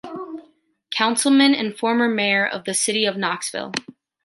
Councilman and former mayor of the city of Knoxville.